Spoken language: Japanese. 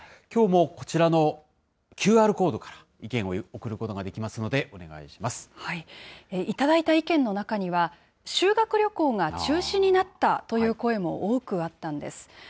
きょうもこちらのＱＲコードから意見を送ることができますので、頂いた意見の中には、修学旅行が中止になったという声も多くあったんです。